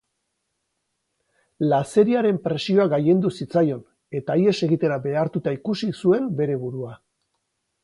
Lazeriaren presioa gailendu zitzaion, eta ihes egitera behartuta ikusi zuen bere burua.